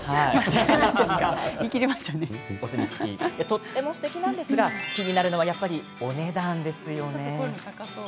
とっても、すてきなんですが気になるのはやっぱり、お値段ですよね。